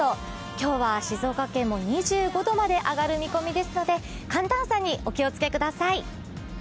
今日は静岡県も２４度まで上がる見込みですので寒暖差にお気をつけください。